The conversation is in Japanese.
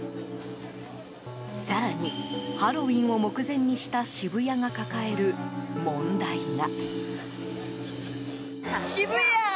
更に、ハロウィーンを目前にした渋谷が抱える問題が。